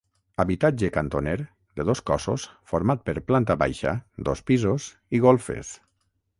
Habitatge cantoner, de dos cossos, format per planta baixa, dos pisos i golfes.